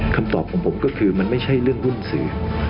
คำตอบของผมก็คือมันไม่ใช่เรื่องหุ้นสื่อ